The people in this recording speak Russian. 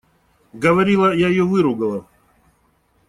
Говорила, я ее выругала.